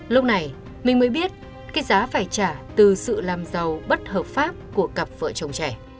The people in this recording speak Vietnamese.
lúc này mình mới biết cái giá phải trả từ sự làm giàu bất hợp pháp của cặp vợ chồng trẻ